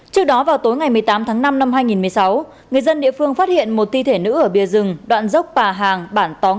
trước đó vào tối ngày một mươi tám tháng năm năm hai nghìn một mươi sáu người dân địa phương phát hiện một thi thể nữ ở bìa rừng đoạn dốc bà hàng bản tóm